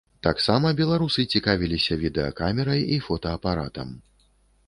Таксама беларусы цікавіліся відэакамерай і фотаапаратам.